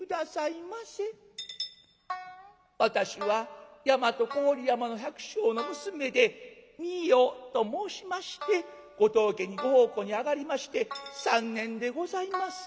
「私は大和郡山の百姓の娘でみよと申しましてご当家にご奉公に上がりまして３年でございます。